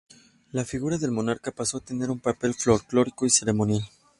La figura del monarca pasó a tener un papel folklórico y ceremonial.